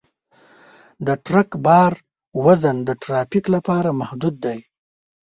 د ټرک بار وزن د ترافیک لپاره محدود دی.